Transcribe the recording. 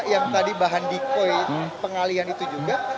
yang tadi bahan dikoi pengalian itu juga